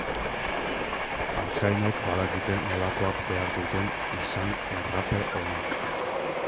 Artzainek badakite nolakoak behar duten izan errape onek.